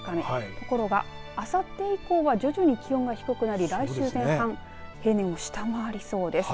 ところがあさって以降は徐々に気温が低くなり来週前半平年を下回りそうです。